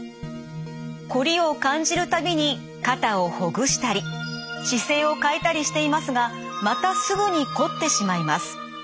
こりを感じる度に肩をほぐしたり姿勢を変えたりしていますがまたすぐにこってしまいます。